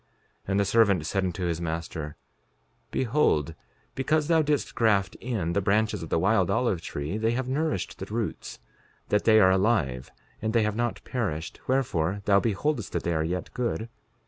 5:34 And the servant said unto his master: Behold, because thou didst graft in the branches of the wild olive tree they have nourished the roots, that they are alive and they have not perished; wherefore thou beholdest that they are yet good.